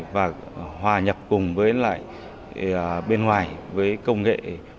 và hòa nhập cùng bên ngoài với công nghệ bốn